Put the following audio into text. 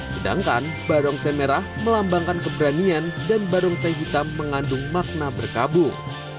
sedangkan barongsa merah melambangkan keberanian dan barongsa hitam mengandung makna berkabut